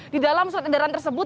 di dalam surat edaran tersebut